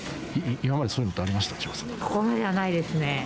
今まで、そういうのってありここまではないですね。